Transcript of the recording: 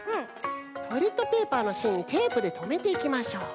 トイレットペーパーのしんにテープでとめていきましょう。